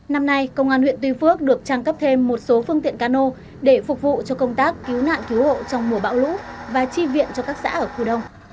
năm nay công an huyện tuy phước được trang cấp thêm một số phương tiện cano để phục vụ cho công tác cứu nạn cứu hộ trong mùa bão lũ và chi viện cho các xã ở khu đông